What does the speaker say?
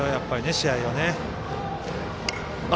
試合をね。